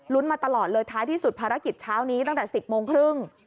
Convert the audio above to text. มาตลอดเลยท้ายที่สุดภารกิจเช้านี้ตั้งแต่๑๐โมงครึ่ง